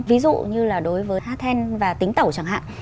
ví dụ như là đối với hát then và tính tẩu chẳng hạn